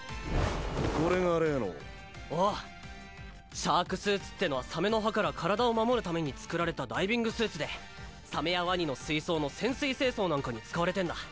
これが例のおうシャークスーツってのはサメの歯から体を守るために作られたダイビングスーツでサメやワニの水槽の潜水清掃なんかに使われてんだ